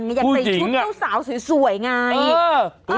ใช่ปะผู้หญิงอยากใส่ชุดเจ้าสาวสวยสวยไงเออ